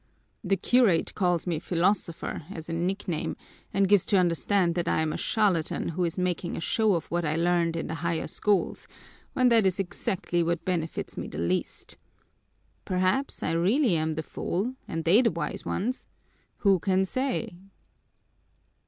The curate calls me 'philosopher' as a nickname and gives to understand that I am a charlatan who is making a show of what I learned in the higher schools, when that is exactly what benefits me the least. Perhaps I really am the fool and they the wise ones who can say?"